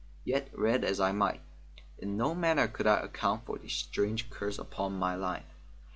Yet read as I might, in no manner could I account for the strange curse upon my line.